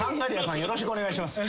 よろしくお願いします」